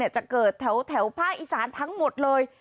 จะเกิดแถวภาคอีสานทั้งหมดเลย